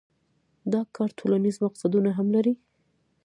دا کار ټولنیز مقصدونه هم لرل.